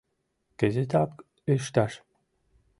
- Кызытак ӱшташ!